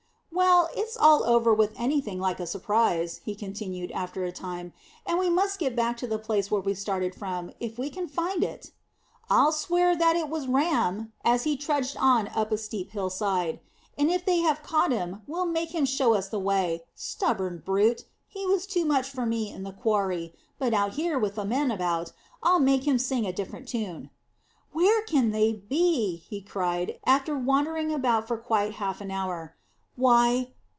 "Well, it's all over with anything like a surprise," he continued, after a time, "and we must get back to the place where we started from, if we can find it." "I'll swear that was Ram," he said, as he trudged on up a steep hillside; "and if they have caught him, we'll make him show us the way. Stubborn brute! He was too much for me in the quarry, but out here with the men about, I'll make him sing a different tune." "Where can they be?" he cried, after wandering about for quite half an hour. "Why!